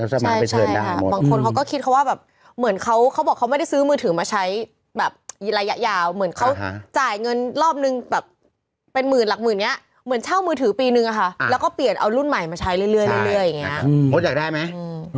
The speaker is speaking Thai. ใช่ค่ะบางคนเขาก็คิดเขาว่าแบบเหมือนเขาเขาบอกเขาไม่ได้ซื้อมือถือมาใช้แบบระยะยาวเหมือนเขาจ่ายเงินรอบนึงแบบเป็นหมื่นหลักหมื่นอย่างนี้เหมือนเช่ามือถือปีนึงอะค่ะแล้วก็เปลี่ยนเอารุ่นใหม่มาใช้เรื่อยอย่างนี้มดอยากได้ไหม